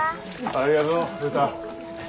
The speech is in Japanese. ありがとううた。